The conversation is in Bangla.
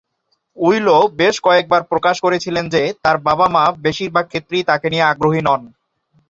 উইলো বেশ কয়েকবার প্রকাশ করেছিলেন যে তার বাবা-মা বেশিরভাগ ক্ষেত্রেই তাকে নিয়ে আগ্রহী নন।